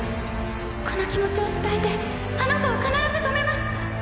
この気持ちを伝えてあの子を必ず止めます。